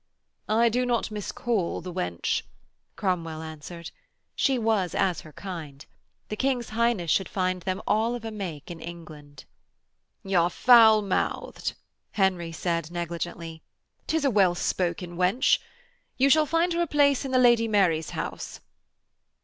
'I do not miscall the wench,' Cromwell answered. She was as her kind. The King's Highness should find them all of a make in England. 'Y' are foul mouthed,' Henry said negligently. ''Tis a well spoken wench. You shall find her a place in the Lady Mary's house.'